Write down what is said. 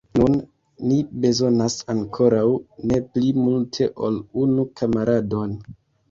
Nun ni bezonas ankoraŭ ne pli multe ol unu kamaradon!